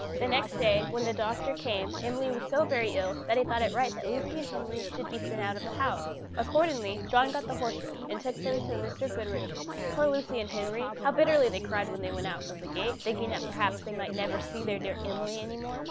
The next day, when the doctor came, Emily was so very ill that he thought it right that Lucy and Henry should be sent out of the house. Accordingly, John got the horse ready, and took them to Mrs. Goodriche's. Poor Lucy and Henry! How bitterly they cried when they went out of the gate, thinking that perhaps they might never see their dear Emily any more!